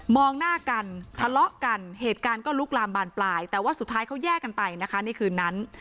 หน้ากันทะเลาะกันเหตุการณ์ก็ลุกลามบานปลายแต่ว่าสุดท้ายเขาแยกกันไปนะคะในคืนนั้น